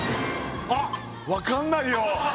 あっ分かんないよ